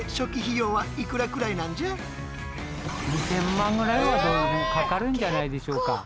２０００万ぐらいはどうしてもかかるんじゃないでしょうか。